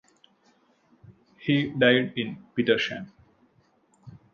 He died in Petersham.